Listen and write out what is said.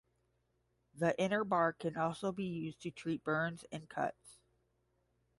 The inner bark can also be used to treat burns and cuts.